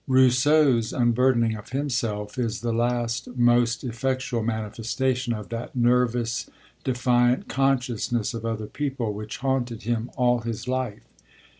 Rousseau's unburdening of himself is the last, most effectual manifestation of that nervous, defiant consciousness of other people which haunted him all his life.